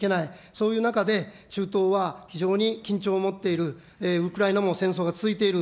そういう中で、中東は、非常に緊張を持っている、ウクライナも戦争が続いている。